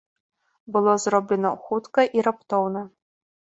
Было зроблена хутка і раптоўна.